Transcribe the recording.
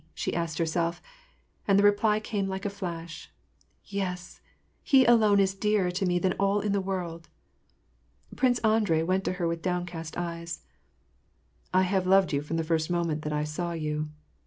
" she asked herself, and the reply came like a flash, " Yes ! he alone is dearer to me than all in the world." Prince Andrei went to her with downcast eyes :—" I have loved you from the first moment that I saw you.